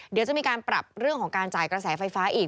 เดี๋ยวจะมีการปรับเรื่องของการจ่ายกระแสไฟฟ้าอีก